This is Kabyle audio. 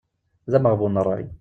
D ameɣbun n ṛṛay.